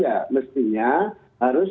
ya mestinya harus